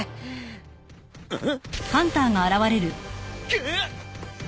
くっ！